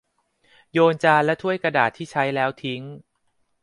โยนจานและถ้วยกระดาษที่ใช้แล้วทิ้ง